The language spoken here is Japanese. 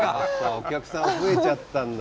お客さん増えちゃったんだ。